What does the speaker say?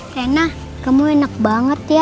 rena kayaknya kok gak happy gitu ya